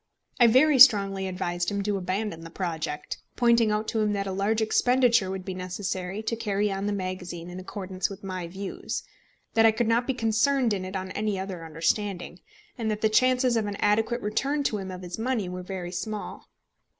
I very strongly advised him to abandon the project, pointing out to him that a large expenditure would be necessary to carry on the magazine in accordance with my views, that I could not be concerned in it on any other understanding, and that the chances of an adequate return to him of his money were very small.